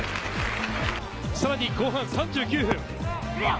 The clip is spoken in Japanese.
さらに後半３９分。